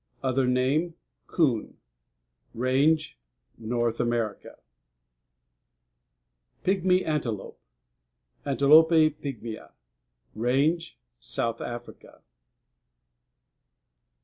_ Other name: Coon. RANGE North America. Page 94. =PIGMY ANTELOPE.= Antilope pigmæa. RANGE South Africa.